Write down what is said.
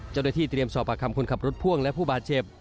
เจ้าหน้าที่เตรียมสอบปากคำคนขับรถพ่วงและผู้บาดเจ็บ